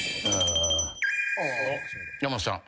山本さん。